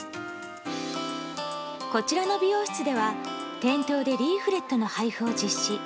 こちらの美容室では店頭でリーフレットの配布を実施。